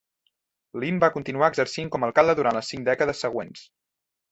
Linn va continuar exercint com a alcalde durant les cinc dècades següents.